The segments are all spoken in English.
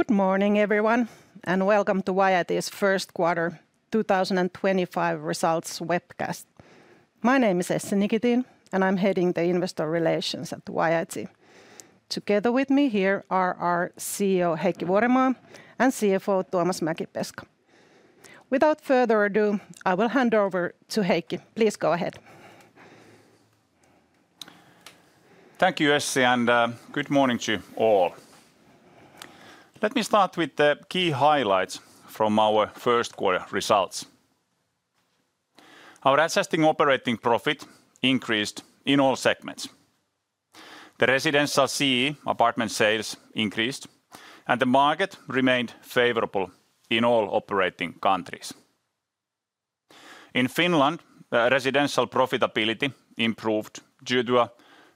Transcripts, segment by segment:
Good morning, everyone, and welcome to YIT's first quarter 2025 results webcast. My name is Essi Nikitin, and I'm heading the Investor Relations at YIT. Together with me here are our CEO, Heikki Vuorenmaa, and CFO, Tuomas Mäkipeska. Without further ado, I will hand over to Heikki. Please go ahead. Thank you, Essi and good morning to all. Let me start with the key highlights from our first quarter results. Our adjusted operating profit increased in all segments. The residential CEE apartment sales increased, and the market remained favorable in all operating countries. In Finland, residential profitability improved due to a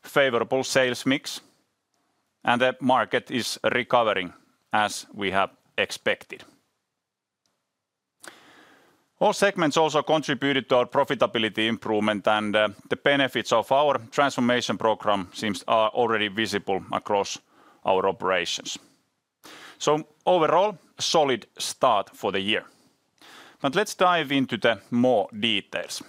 favorable sales mix, and the market is recovering as we have expected. All segments also contributed to our profitability improvement, and the benefits of our transformation program seem to be already visible across our operations. Overall, a solid start for the year. Let's dive into more details.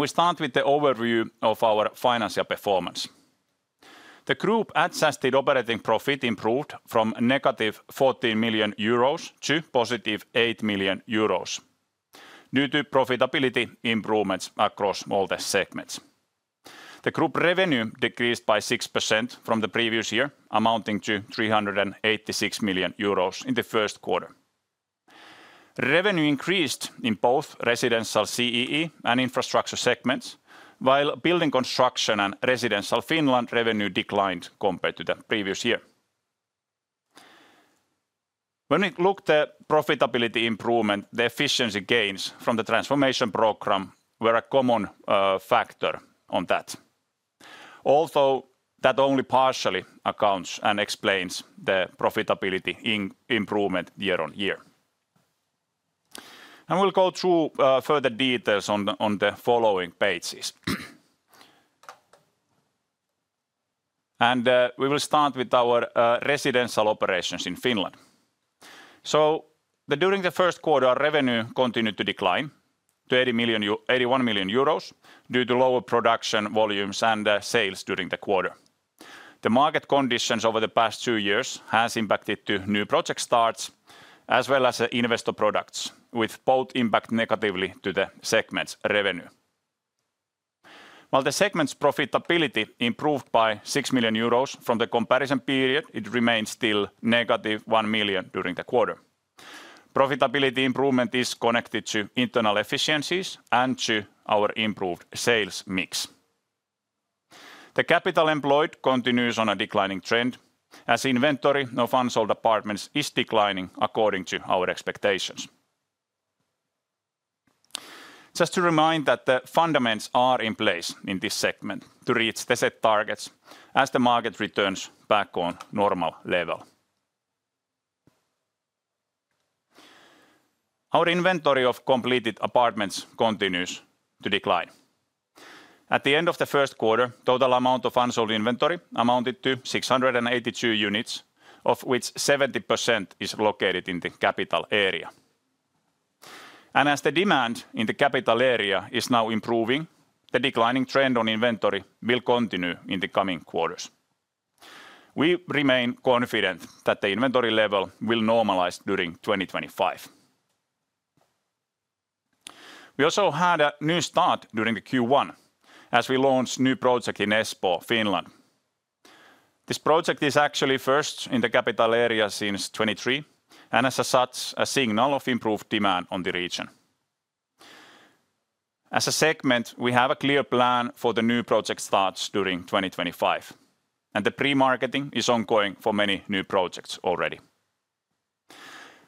We start with the overview of our financial performance. The group adjusted operating profit improved from negative 14 million euros to positive 8 million euros. Due to profitability improvements across all the segments, the group revenue decreased by 6% from the previous year, amounting to 386 million euros in the first quarter. Revenue increased in both residential CEE and infrastructure segments, while building construction and residential Finland revenue declined compared to the previous year. When we look at the profitability improvement, the efficiency gains from the transformation program were a common factor on that, although that only partially accounts and explains the profitability improvement year on year. We will go through further details on the following pages. We will start with our residential operations in Finland. During the first quarter, our revenue continued to decline to 81 million euros due to lower production volumes and sales during the quarter. The market conditions over the past two years have impacted new project starts as well as investor products, with both impacting negatively on the segment's revenue. While the segment's profitability improved by 6 million euros from the comparison period, it remained still negative 1 million during the quarter. Profitability improvement is connected to internal efficiencies and to our improved sales mix. The capital employed continues on a declining trend as inventory of unsold apartments is declining according to our expectations. Just to remind that the fundamentals are in place in this segment to reach the set targets as the market returns back on normal level. Our inventory of completed apartments continues to decline. At the end of the first quarter, the total amount of unsold inventory amounted to 682 units, of which 70% is located in the capital area. As the demand in the capital area is now improving, the declining trend on inventory will continue in the coming quarters. We remain confident that the inventory level will normalize during 2025. We also had a new start during Q1 as we launched a new project in Espoo, Finland. This project is actually the first in the capital area since 2023 and is, as such, a signal of improved demand in the region. As a segment, we have a clear plan for the new project starts during 2025, and the pre-marketing is ongoing for many new projects already.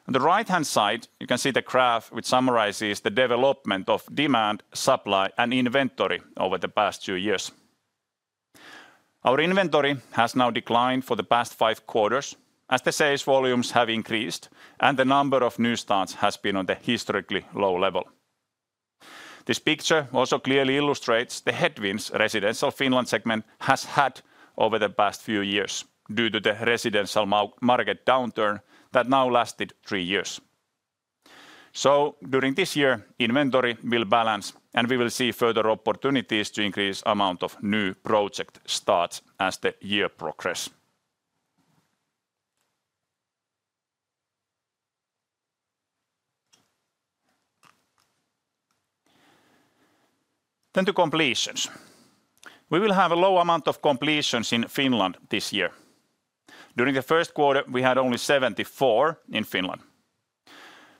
On the right-hand side, you can see the graph which summarizes the development of demand, supply, and inventory over the past two years. Our inventory has now declined for the past five quarters as the sales volumes have increased and the number of new starts has been on a historically low level. This picture also clearly illustrates the headwinds the Residential Finland segment has had over the past few years due to the residential market downturn that now lasted three years. During this year, inventory will balance, and we will see further opportunities to increase the amount of new project starts as the year progresses. To completions, we will have a low amount of completions in Finland this year. During the first quarter, we had only 74 in Finland.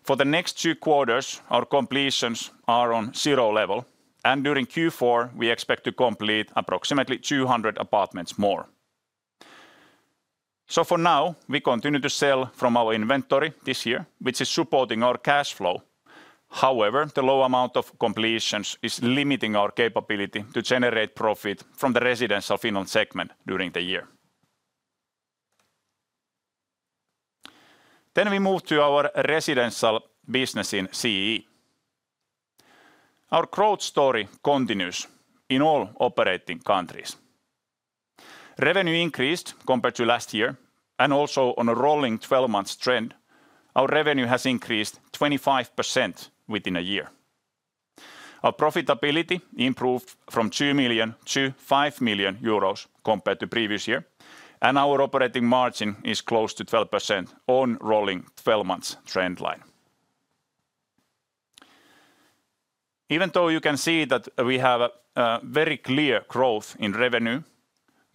For the next two quarters, our completions are on zero level, and during Q4, we expect to complete approximately 200 apartments more. For now, we continue to sell from our inventory this year, which is supporting our cash flow. However, the low amount of completions is limiting our capability to generate profit from the residential Finland segment during the year. We move to our residential business in CEE. Our growth story continues in all operating countries. Revenue increased compared to last year, and also on a rolling 12-month trend, our revenue has increased 25% within a year. Our profitability improved from 2 million to 5 million euros compared to the previous year, and our operating margin is close to 12% on the rolling 12-month trend line. Even though you can see that we have a very clear growth in revenue,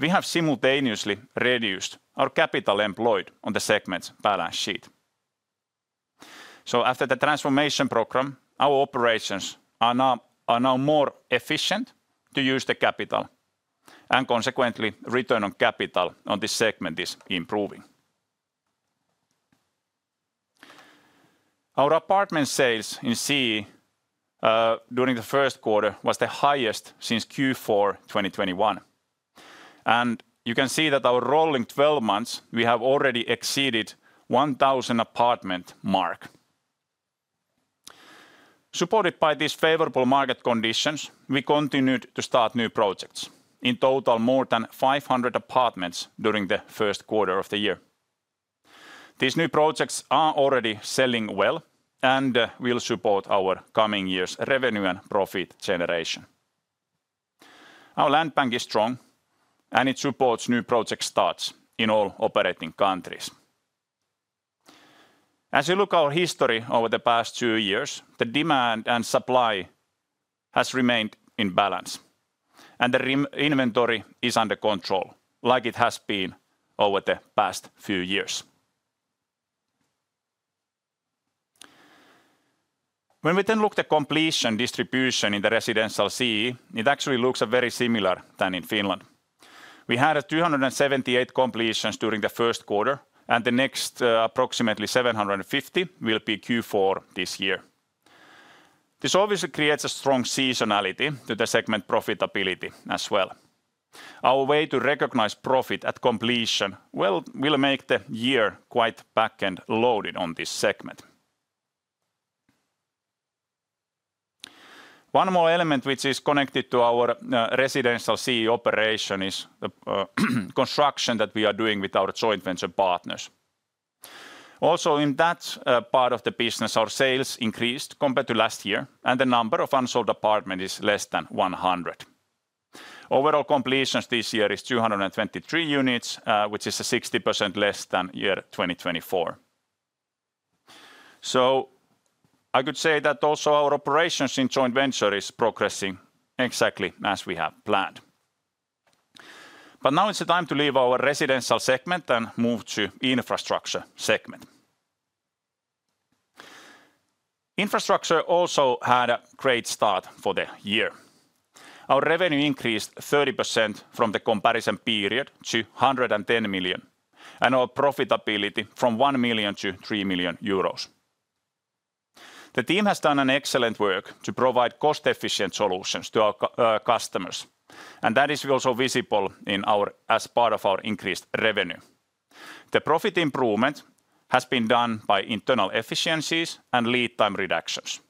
we have simultaneously reduced our capital employed on the segment's balance sheet. After the transformation program, our operations are now more efficient to use the capital, and consequently, return on capital on this segment is improving. Our apartment sales in CEE during the first quarter was the highest since Q4 2021. You can see that our rolling 12 months, we have already exceeded the 1,000 apartment mark. Supported by these favorable market conditions, we continued to start new projects. In total, more than 500 apartments during the first quarter of the year. These new projects are already selling well and will support our coming year's revenue and profit generation. Our land bank is strong, and it supports new project starts in all operating countries. As you look at our history over the past two years, the demand and supply have remained in balance, and the inventory is under control like it has been over the past few years. When we then look at the completion distribution in the residential CEE, it actually looks very similar to that in Finland. We had 278 completions during the first quarter, and the next approximately 750 will be Q4 this year. This obviously creates a strong seasonality to the segment profitability as well. Our way to recognize profit at completion will make the year quite back-end loaded on this segment. One more element which is connected to our residential CEE operation is the construction that we are doing with our joint venture partners. Also, in that part of the business, our sales increased compared to last year, and the number of unsold apartments is less than 100. Overall completions this year are 223 units, which is 60% less than year 2024. I could say that also our operations in joint venture are progressing exactly as we have planned. Now it is time to leave our residential segment and move to the infrastructure segment. Infrastructure also had a great start for the year. Our revenue increased 30% from the comparison period to 110 million, and our profitability from 1 million to 3 million euros. The team has done excellent work to provide cost-efficient solutions to our customers, and that is also visible as part of our increased revenue. The profit improvement has been done by internal efficiencies and lead time reductions,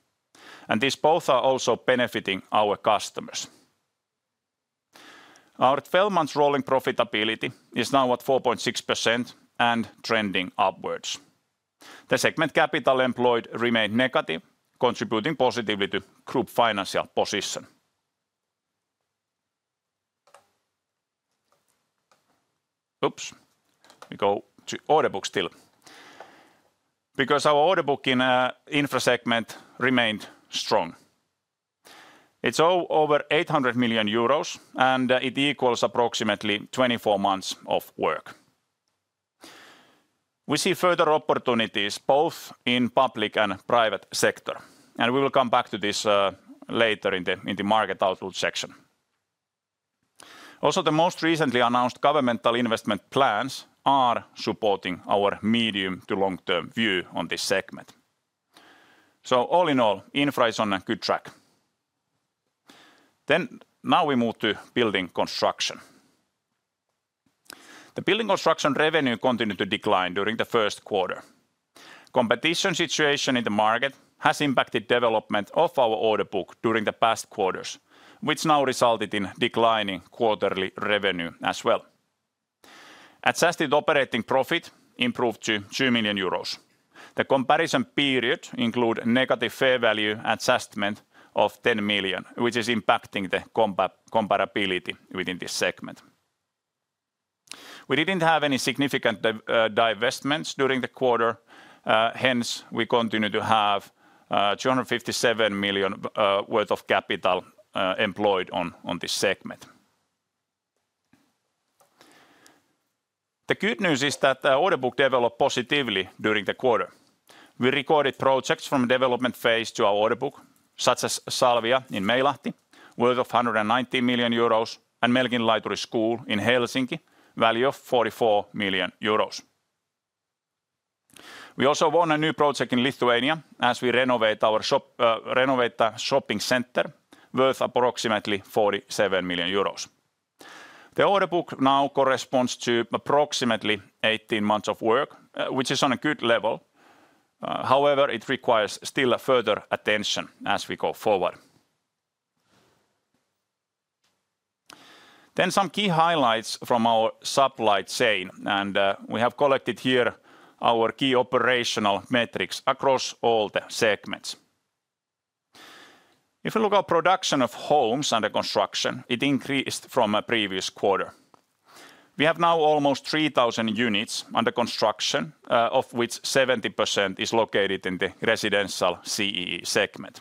and these both are also benefiting our customers. Our 12-month rolling profitability is now at 4.6% and trending upwards. The segment capital employed remained negative, contributing positively to the group's financial position. Oops, we go to the order book still, because our order book in infra segment remained strong. It is over 800 million euros, and it equals approximately 24 months of work. We see further opportunities both in the public and private sector, and we will come back to this later in the market outlook section. Also, the most recently announced governmental investment plans are supporting our medium to long-term view on this segment. All in all, infra is on a good track. Now we move to building construction. The building construction revenue continued to decline during the first quarter. Competition situation in the market has impacted the development of our order book during the past quarters, which now resulted in declining quarterly revenue as well. Adjusted operating profit improved to 2 million euros. The comparison period included a negative fair value adjustment of 10 million, which is impacting the comparability within this segment. We did not have any significant divestments during the quarter, hence, we continue to have 257 million worth of capital employed on this segment. The good news is that the order book developed positively during the quarter. We recorded projects from the development phase to our order book, such as Salvia in Meilahti, worth of 190 million euros, and Melkinlaituri School in Helsinki, value of 44 million euros. We also won a new project in Lithuania as we renovate the shopping center, worth approximately 47 million euros. The order book now corresponds to approximately 18 months of work, which is on a good level. However, it requires still further attention as we go forward. Some key highlights from our supply chain, and we have collected here our key operational metrics across all the segments. If we look at the production of homes under construction, it increased from the previous quarter. We have now almost 3,000 units under construction, of which 70% is located in the residential CEE segment.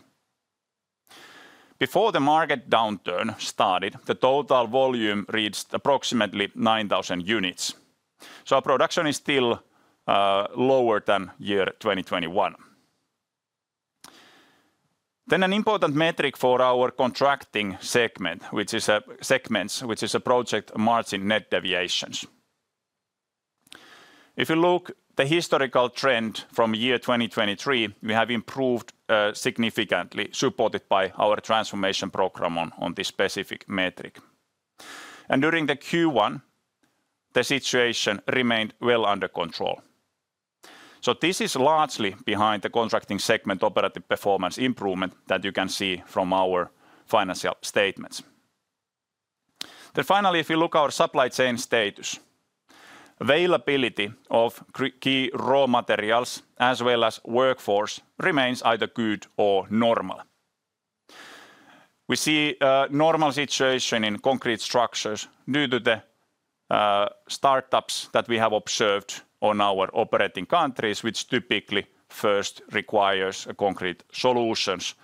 Before the market downturn started, the total volume reached approximately 9,000 units. Our production is still lower than year 2021. An important metric for our contracting segment, which is a project margin net deviations. If you look at the historical trend from year 2023, we have improved significantly, supported by our transformation program on this specific metric. During Q1, the situation remained well under control. This is largely behind the contracting segment operative performance improvement that you can see from our financial statements. Finally, if you look at our supply chain status, availability of key raw materials as well as workforce remains either good or normal. We see a normal situation in concrete structures due to the startups that we have observed on our operating countries, which typically first require concrete solutions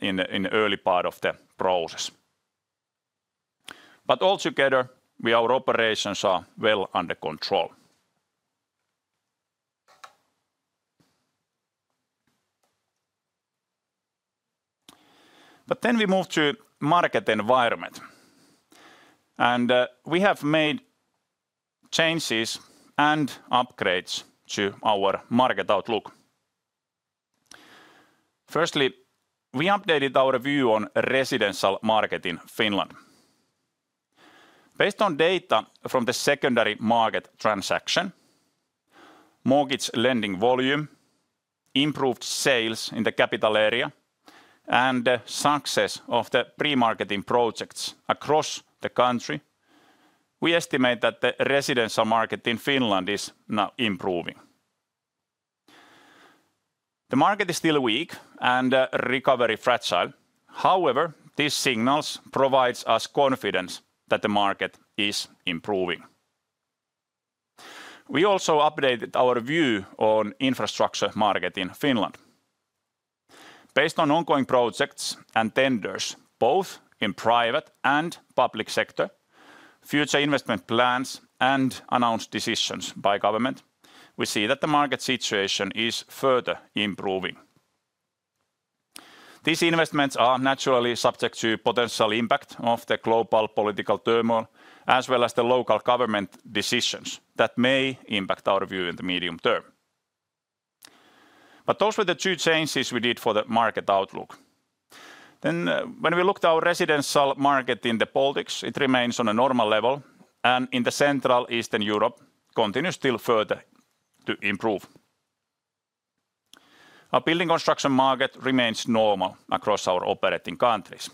in the early part of the process. Altogether, our operations are well under control. Then we move to the market environment, and we have made changes and upgrades to our market outlook. Firstly, we updated our view on the residential market in Finland. Based on data from the secondary market transaction, mortgage lending volume, improved sales in the capital area, and the success of the pre-marketing projects across the country, we estimate that the residential market in Finland is now improving. The market is still weak and recovery fragile. However, these signals provide us confidence that the market is improving. We also updated our view on the infrastructure market in Finland. Based on ongoing projects and tenders, both in the private and public sector, future investment plans, and announced decisions by government, we see that the market situation is further improving. These investments are naturally subject to the potential impact of the global political turmoil, as well as the local government decisions that may impact our view in the medium term. Those were the two changes we did for the market outlook. When we looked at our residential market in the Baltics, it remains on a normal level, and in Central and Eastern Europe, it continues still further to improve. Our building construction market remains normal across our operating countries.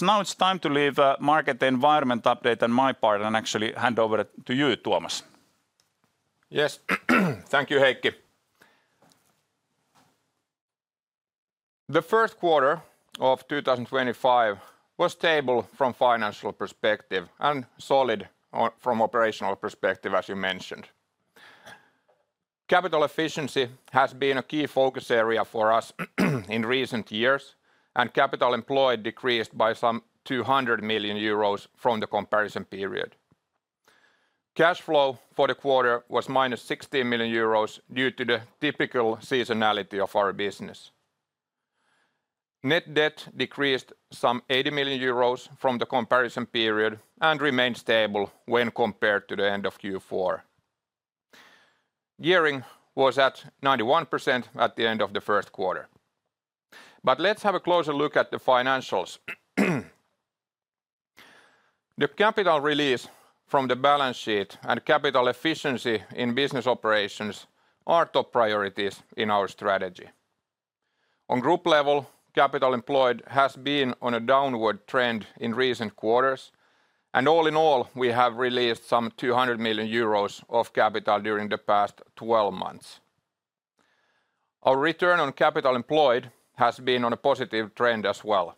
Now it's time to leave the market environment update on my part and actually hand over to you, Tuomas. Yes, thank you, Heikki. The first quarter of 2025 was stable from a financial perspective and solid from an operational perspective, as you mentioned. Capital efficiency has been a key focus area for us in recent years, and capital employed decreased by some 200 million euros from the comparison period. Cash flow for the quarter was minus 16 million euros due to the typical seasonality of our business. Net debt decreased some 80 million euros from the comparison period and remained stable when compared to the end of Q4. Gearing was at 91% at the end of the first quarter. Let's have a closer look at the financials. The capital release from the balance sheet and capital efficiency in business operations are top priorities in our strategy. On a group level, capital employed has been on a downward trend in recent quarters, and all in all, we have released some 200 million euros of capital during the past 12 months. Our return on capital employed has been on a positive trend as well.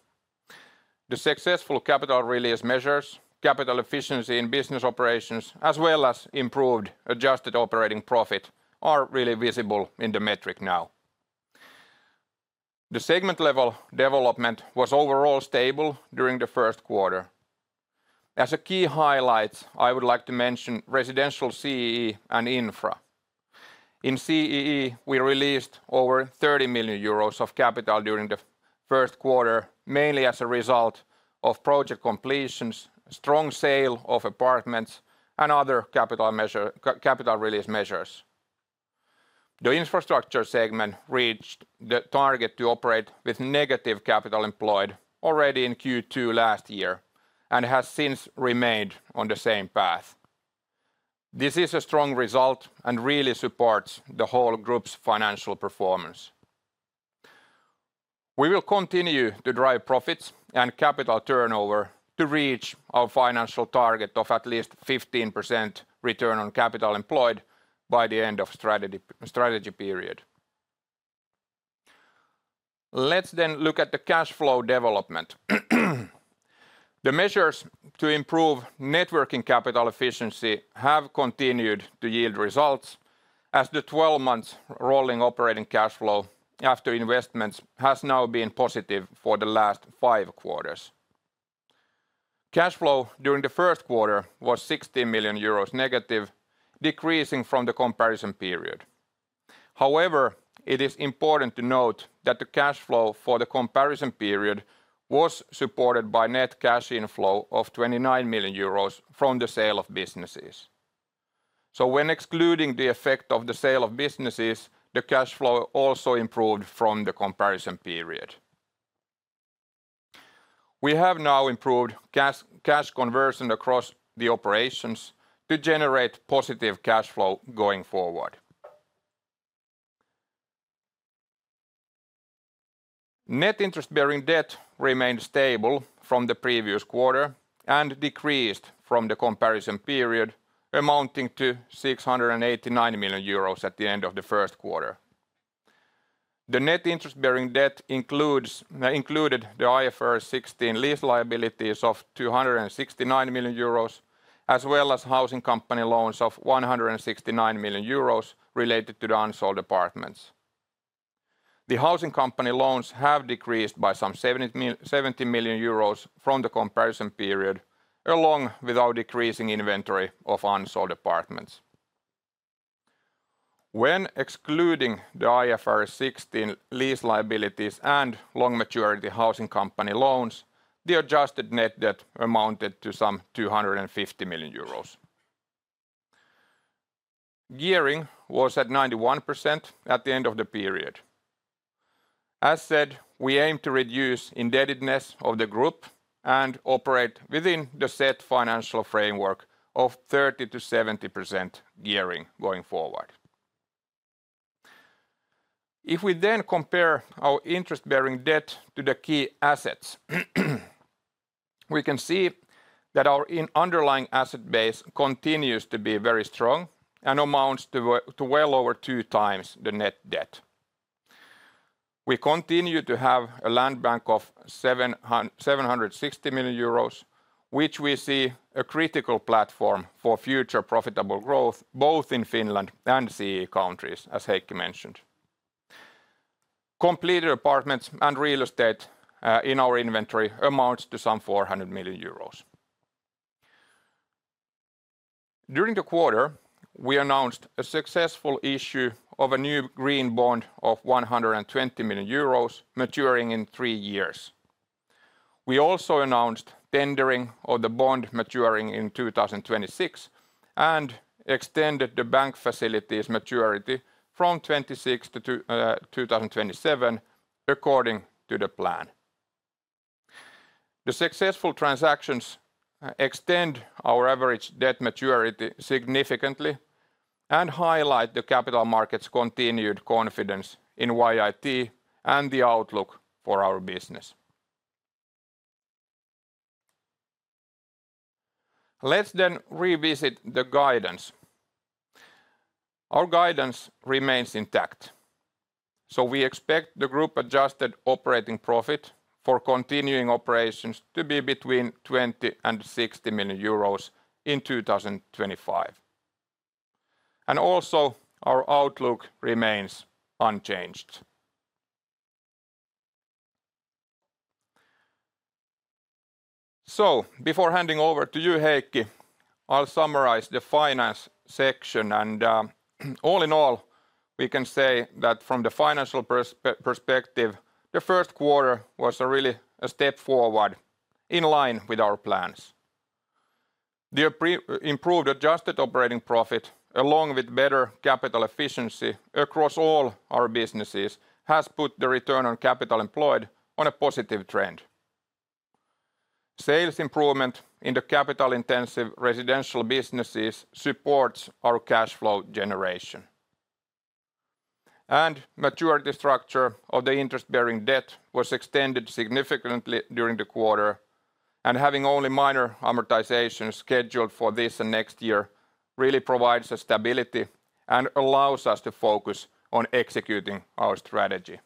The successful capital release measures, capital efficiency in business operations, as well as improved adjusted operating profit are really visible in the metric now. The segment-level development was overall stable during the first quarter. As a key highlight, I would like to mention residential CEE and infra. In CEE, we released over 30 million euros of capital during the first quarter, mainly as a result of project completions, strong sale of apartments, and other capital release measures. The infrastructure segment reached the target to operate with negative capital employed already in Q2 last year and has since remained on the same path. This is a strong result and really supports the whole group's financial performance. We will continue to drive profits and capital turnover to reach our financial target of at least 15% return on capital employed by the end of the strategy period. Let's then look at the cash flow development. The measures to improve networking capital efficiency have continued to yield results as the 12-month rolling operating cash flow after investments has now been positive for the last five quarters. Cash flow during the first quarter was 16 million euros negative, decreasing from the comparison period. However, it is important to note that the cash flow for the comparison period was supported by net cash inflow of 29 million euros from the sale of businesses. When excluding the effect of the sale of businesses, the cash flow also improved from the comparison period. We have now improved cash conversion across the operations to generate positive cash flow going forward. Net interest-bearing debt remained stable from the previous quarter and decreased from the comparison period, amounting to 689 million euros at the end of the first quarter. The net interest-bearing debt included the IFRS 16 lease liabilities of 269 million euros, as well as housing company loans of 169 million euros related to the unsold apartments. The housing company loans have decreased by some 70 million euros from the comparison period, along with our decreasing inventory of unsold apartments. When excluding the IFRS 16 lease liabilities and long-maturity housing company loans, the adjusted net debt amounted to some 250 million euros. Gearing was at 91% at the end of the period. As said, we aim to reduce indebtedness of the group and operate within the set financial framework of 30%-70% gearing going forward. If we then compare our interest-bearing debt to the key assets, we can see that our underlying asset base continues to be very strong and amounts to well over two times the net debt. We continue to have a land bank of 760 million euros, which we see a critical platform for future profitable growth both in Finland and CEE countries, as Heikki mentioned. Completed apartments and real estate in our inventory amounts to some 400 million euros. During the quarter, we announced a successful issue of a new green bond of 120 million euros, maturing in three years. We also announced tendering of the bond maturing in 2026 and extended the bank facilities' maturity from 2026 to 2027, according to the plan. The successful transactions extend our average debt maturity significantly and highlight the capital markets' continued confidence in YIT and the outlook for our business. Let's then revisit the guidance. Our guidance remains intact. We expect the group-adjusted operating profit for continuing operations to be between 20 million and 60 million euros in 2025. Our outlook remains unchanged. Before handing over to you, Heikki, I'll summarize the finance section. All in all, we can say that from the financial perspective, the first quarter was really a step forward in line with our plans. The improved adjusted operating profit, along with better capital efficiency across all our businesses, has put the return on capital employed on a positive trend. Sales improvement in the capital-intensive residential businesses supports our cash flow generation. The maturity structure of the interest-bearing debt was extended significantly during the quarter, and having only minor amortizations scheduled for this and next year really provides us stability and allows us to focus on executing our strategy.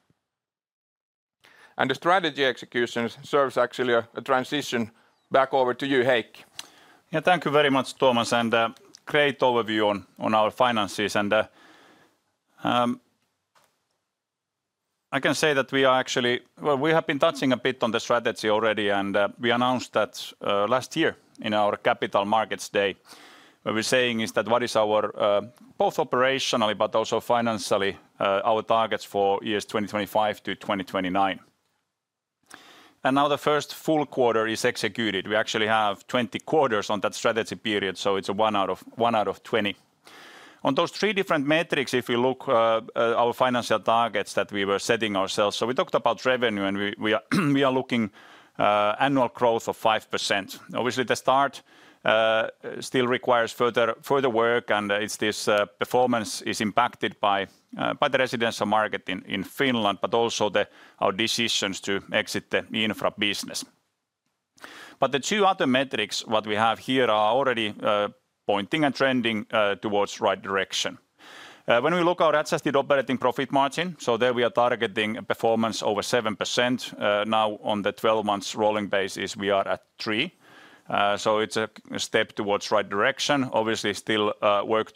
The strategy execution serves actually a transition back over to you, Heikki. Thank you very much, Tuomas, and great overview on our finances. I can say that we are actually, well, we have been touching a bit on the strategy already, and we announced that last year in our Capital Markets Day. What we're saying is that what is our both operationally but also financially our targets for years 2025 to 2029. Now the first full quarter is executed. We actually have 20 quarters on that strategy period, so it's a one out of 20. On those three different metrics, if you look at our financial targets that we were setting ourselves, we talked about revenue, and we are looking at annual growth of 5%. Obviously, the start still requires further work, and this performance is impacted by the residential market in Finland, but also our decisions to exit the infra business. The two other metrics what we have here are already pointing and trending towards the right direction. When we look at our adjusted operating profit margin, we are targeting a performance over 7%. Now, on the 12-month rolling basis, we are at 3%. It is a step towards the right direction. Obviously, still work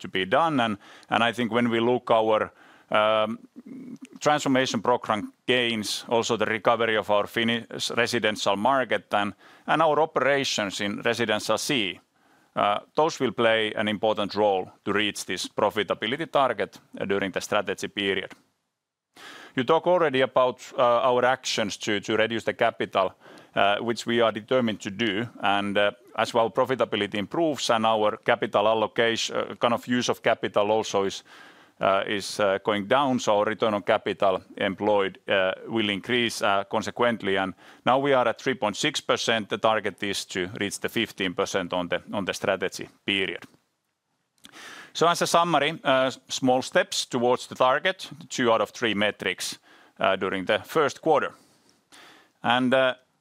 to be done. I think when we look at our transformation program gains, also the recovery of our residential market and our operations in residential CEE, those will play an important role to reach this profitability target during the strategy period. You talked already about our actions to reduce the capital, which we are determined to do. As our profitability improves and our capital allocation, kind of use of capital also is going down, our return on capital employed will increase consequently. Now we are at 3.6%. The target is to reach the 15% on the strategy period. As a summary, small steps towards the target, two out of three metrics during the first quarter.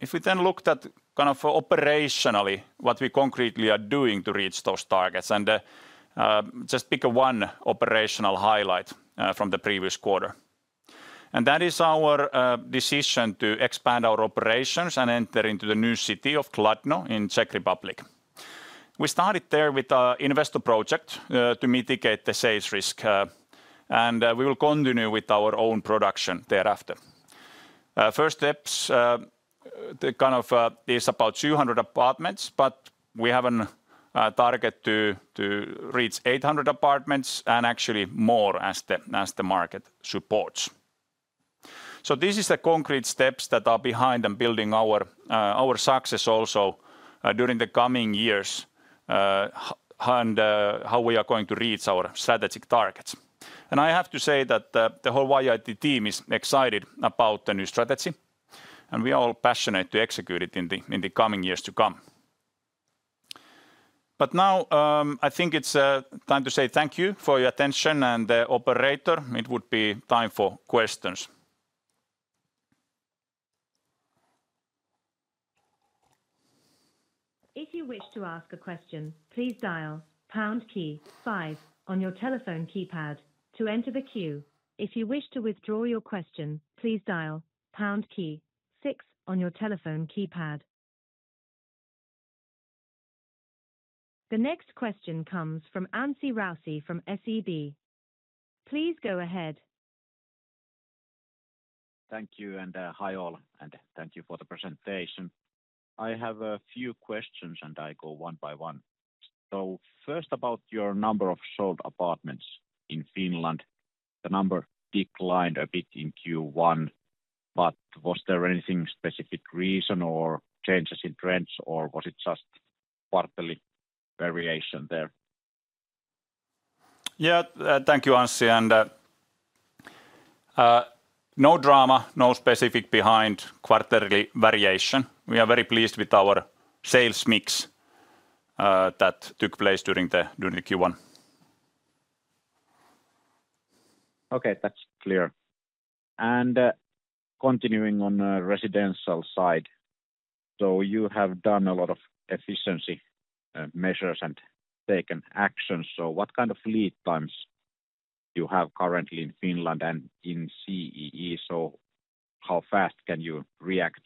If we then looked at kind of operationally what we concretely are doing to reach those targets, and just pick one operational highlight from the previous quarter. That is our decision to expand our operations and enter into the new city of Kladno in the Czech Republic. We started there with an investor project to mitigate the sales risk, and we will continue with our own production thereafter. First steps, the kind of is about 200 apartments, but we have a target to reach 800 apartments and actually more as the market supports. These are the concrete steps that are behind and building our success also during the coming years and how we are going to reach our strategic targets. I have to say that the whole YIT team is excited about the new strategy, and we are all passionate to execute it in the coming years to come. Now I think it's time to say thank you for your attention and the operator. It would be time for questions. If you wish to ask a question, please dial #5 on your telephone keypad to enter the queue. If you wish to withdraw your question, please dial #6 on your telephone keypad. The next question comes from Anssi Rausi from SEB. Please go ahead. Thank you, and hi all, and thank you for the presentation. I have a few questions, and I go one by one. First, about your number of sold apartments in Finland. The number declined a bit in Q1, but was there any specific reason or changes in trends, or was it just quarterly variation there? Yeah, thank you, Anssi. No drama, no specific behind quarterly variation. We are very pleased with our sales mix that took place during Q1. Okay, that's clear. Continuing on the residential side, you have done a lot of efficiency measures and taken actions. What kind of lead times do you have currently in Finland and in CEE? How fast can you react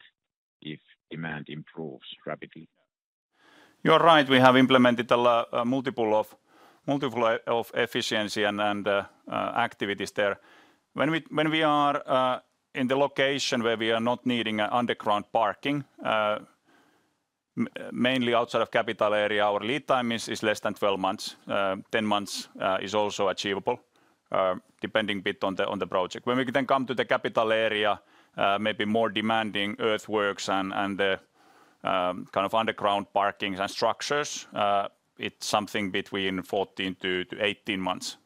if demand improves rapidly? You're right, we have implemented a multiple of efficiency and activities there. When we are in the location where we are not needing underground parking, mainly outside of capital area, our lead time is less than 12 months. Ten months is also achievable, depending a bit on the project. When we then come to the capital area, maybe more demanding earthworks and the kind of underground parkings and structures, it is something between 14-18 months.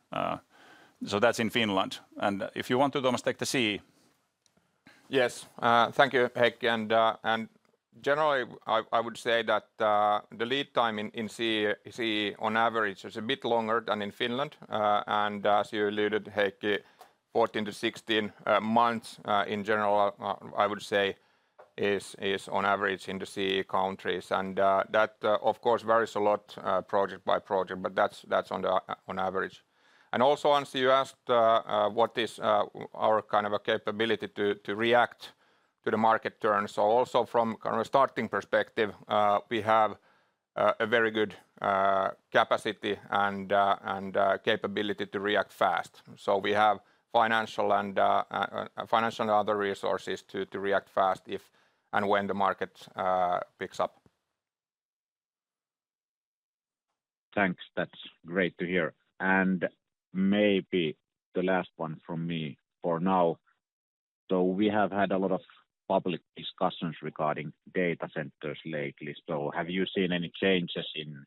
That is in Finland. If you want to, Tuomas, take the CEE. Yes, thank you, Heikki. Generally, I would say that the lead time in CEE, on average, is a bit longer than in Finland. As you alluded, Heikki, 14-16 months in general, I would say, is on average in the CEE countries. That, of course, varies a lot project by project, but that is on average. Also, Anssi, you asked what is our kind of capability to react to the market turns. Also, from a starting perspective, we have a very good capacity and capability to react fast. We have financial and other resources to react fast if and when the market picks up. Thanks, that's great to hear. Maybe the last one from me for now. We have had a lot of public discussions regarding data centers lately. Have you seen any changes in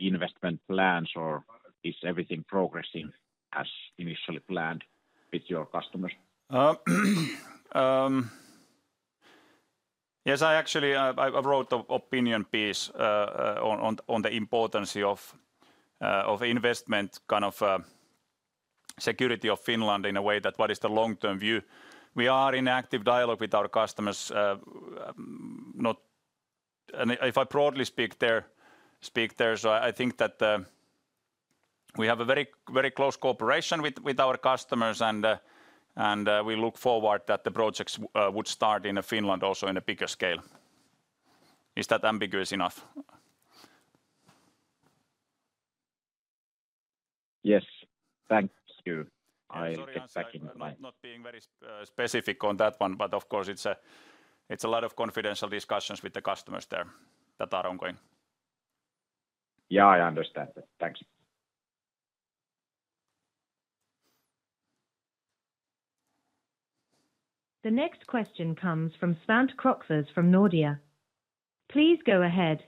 investment plans, or is everything progressing as initially planned with your customers? Yes, I actually wrote the opinion piece on the importance of investment, kind of security of Finland in a way that what is the long-term view. We are in active dialogue with our customers, if I broadly speak there. I think that we have a very close cooperation with our customers, and we look forward to the projects starting in Finland also on a bigger scale. Is that ambiguous enough? Yes, thank you. I'll get back in line. I'm not being very specific on that one, but of course, it's a lot of confidential discussions with the customers there that are ongoing. Yeah, I understand that. Thanks. The next question comes from Svante Krokfors from Nordea. Please go ahead.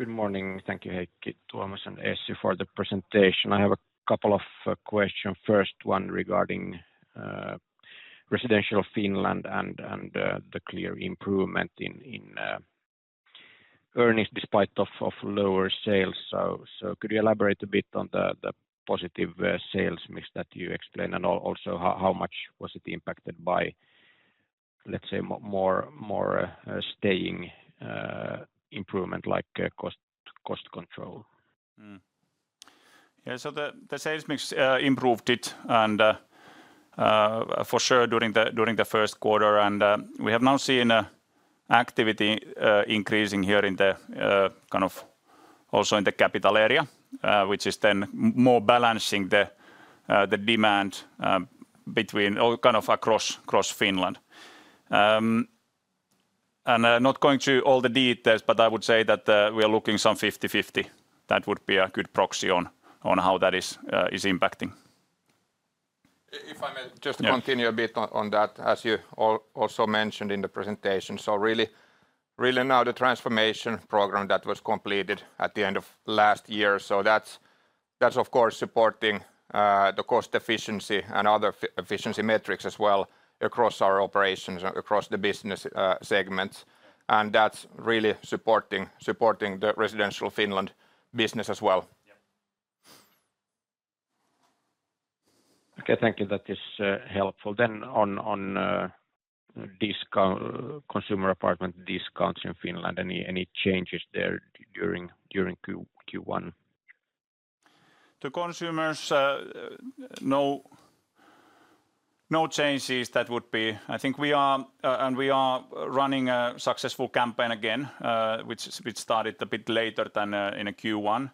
Good morning. Thank you, Heikki, Tuomas and Essi for the presentation. I have a couple of questions. First one regarding residential Finland and the clear improvement in earnings despite lower sales. Could you elaborate a bit on the positive sales mix that you explained, and also how much was it impacted by, let's say, more staying improvement like cost control? Yeah, the sales mix improved, and for sure during the first quarter, and we have now seen activity increasing here in the kind of also in the capital area, which is then more balancing the demand between all kind of across Finland. Not going to all the details, but I would say that we are looking some 50-50.That would be a good proxy on how that is impacting. If I may just continue a bit on that, as you also mentioned in the presentation. Really now the transformation program that was completed at the end of last year. That is, of course, supporting the cost efficiency and other efficiency metrics as well across our operations, across the business segments. That is really supporting the residential Finland business as well. Okay, thank you. That is helpful. On consumer apartment discounts in Finland, any changes there during Q1? To consumers, no changes that would be. I think we are running a successful campaign again, which started a bit later than in Q1.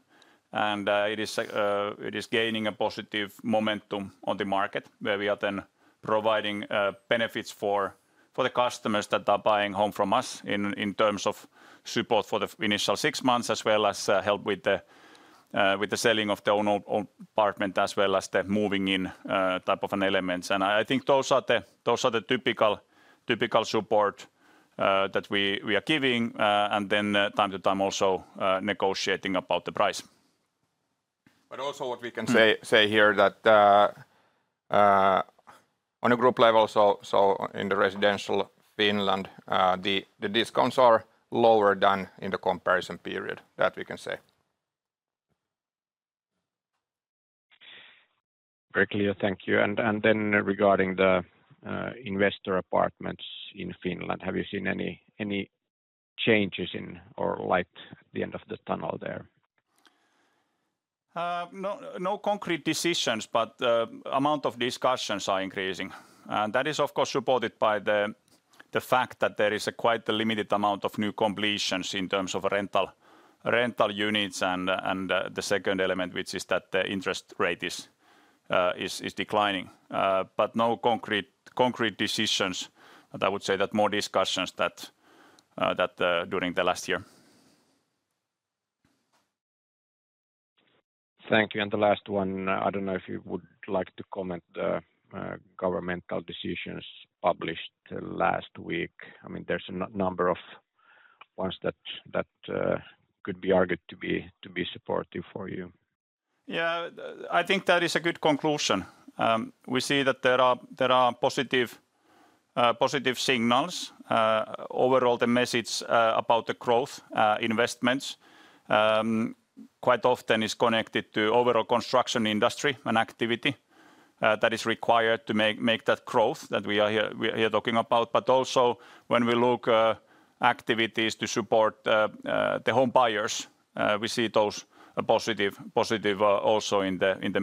It is gaining positive momentum on the market, where we are then providing benefits for the customers that are buying home from us in terms of support for the initial six months, as well as help with the selling of their own apartment, as well as the moving-in type of elements. I think those are the typical support that we are giving, and time to time also negotiating about the price. What we can say here is that on a group level, in the residential Finland, the discounts are lower than in the comparison period. That we can say. Very clear, thank you. Regarding the investor apartments in Finland, have you seen any changes or light at the end of the tunnel there? No concrete decisions, but the amount of discussions are increasing. That is, of course, supported by the fact that there is quite a limited amount of new completions in terms of rental units. The second element, which is that the interest rate is declining. No concrete decisions, but I would say that more discussions than during the last year. Thank you. The last one, I do not know if you would like to comment on the governmental decisions published last week. I mean, there is a number of ones that could be argued to be supportive for you. Yeah, I think that is a good conclusion. We see that there are positive signals. Overall, the message about the growth investments quite often is connected to overall construction industry and activity that is required to make that growth that we are here talking about. But also when we look at activities to support the home buyers, we see those positive also in the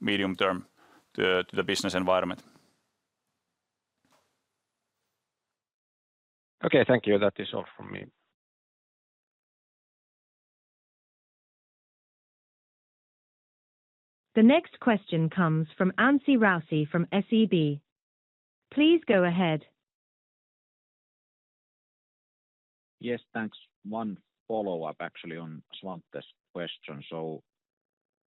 medium term to the business environment. Okay, thank you. That is all from me. The next question comes from Anssi Rausi from SEB. Please go ahead. Yes, thanks. One follow-up actually on Svante's question.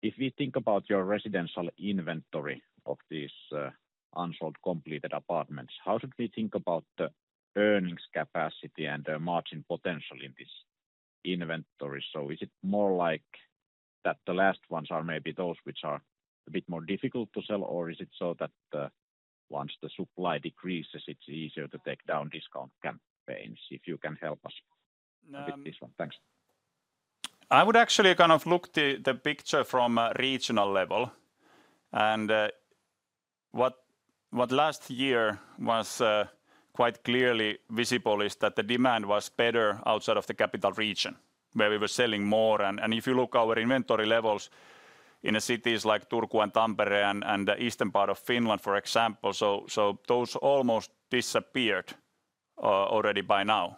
If we think about your residential inventory of these unsold completed apartments, how should we think about the earnings capacity and the margin potential in this inventory? Is it more like that the last ones are maybe those which are a bit more difficult to sell, or is it so that once the supply decreases, it's easier to take down discount campaigns? If you can help us with this one, thanks. I would actually kind of look at the picture from a regional level. What last year was quite clearly visible is that the demand was better outside of the capital region, where we were selling more. If you look at our inventory levels in cities like Turku and Tampere and the eastern part of Finland, for example, those almost disappeared already by now.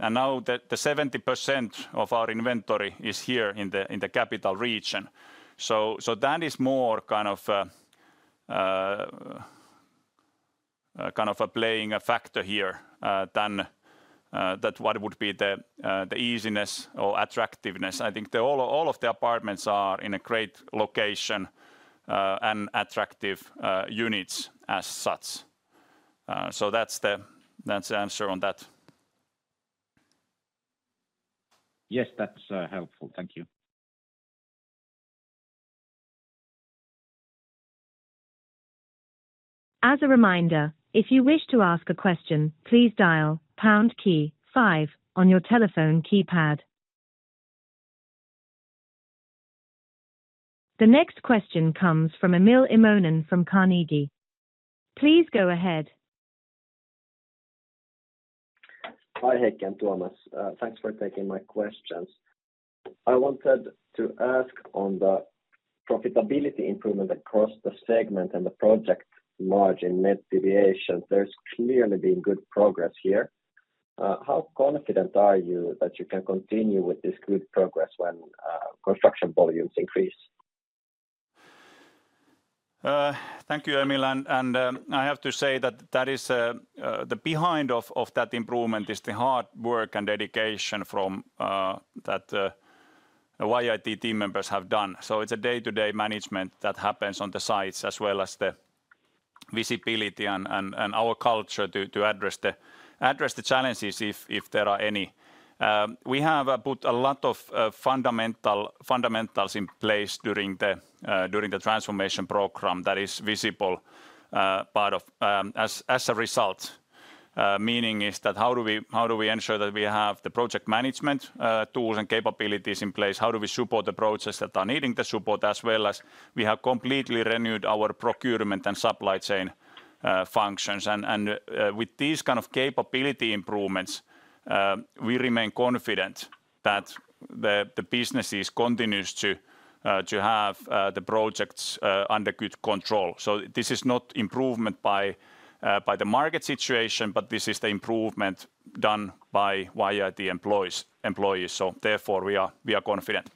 Now 70% of our inventory is here in the capital region. That is more kind of a playing factor here than what would be the easiness or attractiveness. I think all of the apartments are in a great location and attractive units as such. That is the answer on that. Yes, that is helpful. Thank you. As a reminder, if you wish to ask a question, please dial #5 on your telephone keypad. The next question comes from Emil Immonen from Carnegie. Please go ahead. Hi, Heikki and Tuomas. Thanks for taking my questions. I wanted to ask on the profitability improvement across the segment and the project margin net deviation. There's clearly been good progress here. How confident are you that you can continue with this good progress when construction volumes increase? Thank you, Emil. I have to say that the behind of that improvement is the hard work and dedication that YIT team members have done. It is a day-to-day management that happens on the sites as well as the visibility and our culture to address the challenges if there are any. We have put a lot of fundamentals in place during the transformation program that is a visible part as a result. Meaning is that how do we ensure that we have the project management tools and capabilities in place? How do we support the processes that are needing the support, as well as we have completely renewed our procurement and supply chain functions? With these kind of capability improvements, we remain confident that the businesses continue to have the projects under good control. This is not improvement by the market situation, but this is the improvement done by YIT employees. Therefore, we are confident.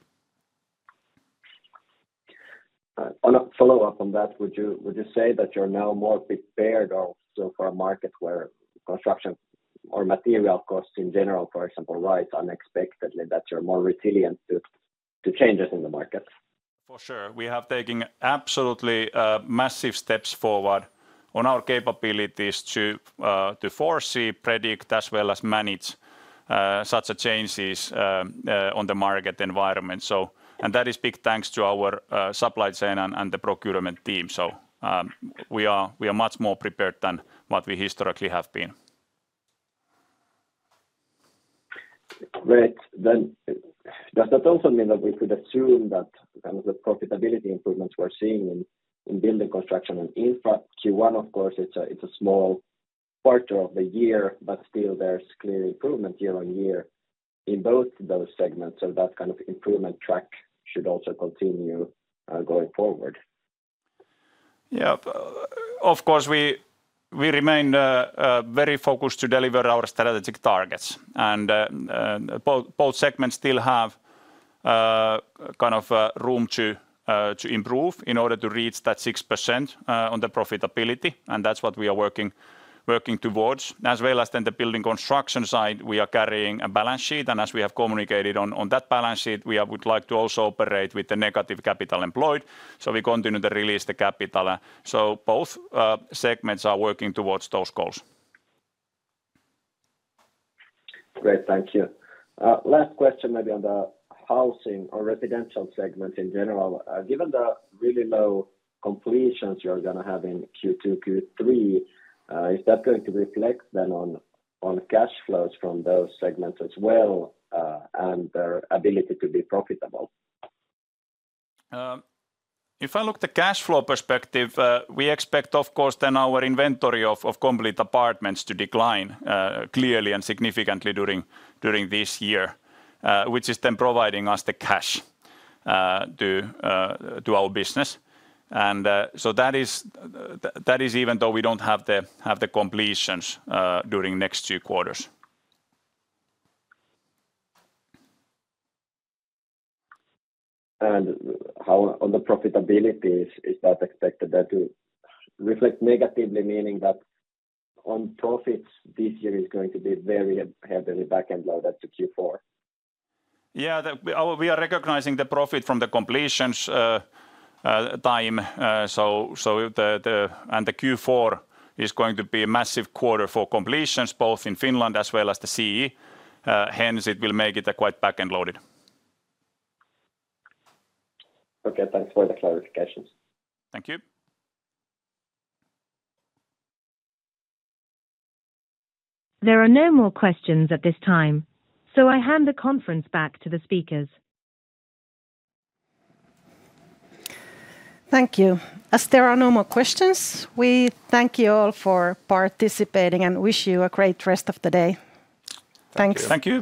On a follow-up on that, would you say that you're now more prepared also for a market where construction or material costs in general, for example, rise unexpectedly, that you're more resilient to changes in the market? For sure. We have taken absolutely massive steps forward on our capabilities to foresee, predict, as well as manage such changes on the market environment. That is big thanks to our supply chain and the procurement team. We are much more prepared than what we historically have been. Great. Does that also mean that we could assume that the profitability improvements we are seeing in building construction and infra Q1, of course, it is a small quarter of the year, but still there is clear improvement year on year in both those segments. That kind of improvement track should also continue going forward. Yeah, of course, we remain very focused to deliver our strategic targets. Both segments still have kind of room to improve in order to reach that 6% on the profitability. That is what we are working towards. As well as then the building construction side, we are carrying a balance sheet. As we have communicated on that balance sheet, we would like to also operate with the negative capital employed. We continue to release the capital. Both segments are working towards those goals. Great, thank you. Last question maybe on the housing or residential segment in general. Given the really low completions you're going to have in Q2, Q3, is that going to reflect then on cash flows from those segments as well and their ability to be profitable? If I look at the cash flow perspective, we expect, of course, then our inventory of complete apartments to decline clearly and significantly during this year, which is then providing us the cash to our business. That is even though we don't have the completions during next two quarters. On the profitability, is that expected to reflect negatively, meaning that on profits this year is going to be very heavily back and loaded to Q4? Yeah, we are recognizing the profit from the completions time. The Q4 is going to be a massive quarter for completions, both in Finland as well as the CE. Hence, it will make it quite back and loaded. Okay, thanks for the clarifications. Thank you. There are no more questions at this time. I hand the conference back to the speakers. Thank you. As there are no more questions, we thank you all for participating and wish you a great rest of the day. Thanks. Thank you.